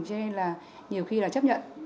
cho nên là nhiều khi là chấp nhận